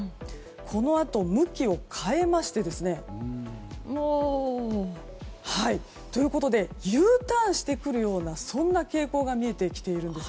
このあと向きを変えましてＵターンしてくるような傾向が見えてきているんです。